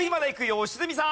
良純さん。